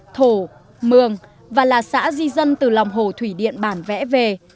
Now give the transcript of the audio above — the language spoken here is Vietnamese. thổ mường và là xã di dân từ lòng hồ thủy điện bản vẽ về